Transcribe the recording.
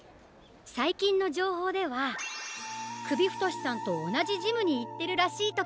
さいきんのじょうほうではくびふとしさんとおなじジムにいってるらしいとか。